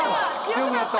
強くなった！